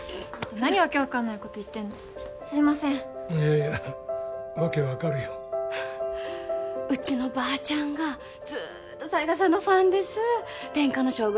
何訳分かんないこと言ってんのすいませんいやいや訳分かるようちのばーちゃんがずっと犀賀さんのファンですう「天下の将軍」